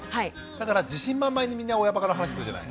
だから自信満々にみんな親バカの話するじゃない？